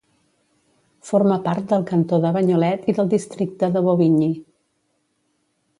Forma part del cantó de Bagnolet i del districte de Bobigny.